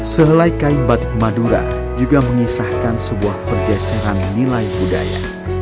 sehelai kain batik madura juga mengisahkan sebuah pergeseran nilai budaya